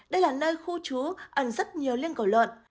đây là nơi khu trú ẩn rất nhiều liên cầu lợn